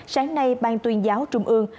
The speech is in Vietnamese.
sáng nay bang tuyên giáo trung ương